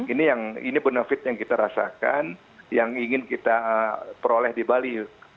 ini yang ini benefit yang kita rasakan yang ingin kita peroleh di bali